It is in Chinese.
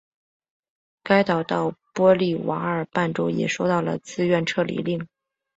该岛到波利瓦尔半岛也收到了自愿撤离令。